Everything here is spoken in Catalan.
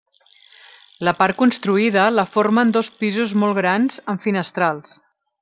La part construïda la formen dos pisos molt grans amb finestrals.